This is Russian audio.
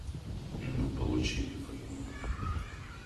Мы получили войну.